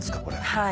はい。